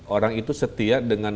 orang itu setia dengan